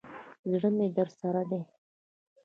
زړه مي درسره دی.